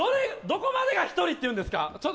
どこまでが１人っていうんですか？